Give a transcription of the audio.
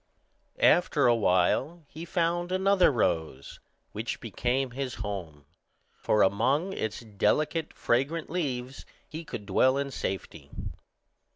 After a while he found another rose, which became his home, for among its delicate fragrant leaves he could dwell in safety.